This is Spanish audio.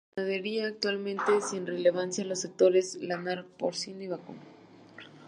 En la ganadería, actualmente sin relevancia, los sectores lanar, porcino y vacuno.